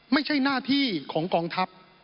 ไม่ใช่หน้าที่ของกองทัพ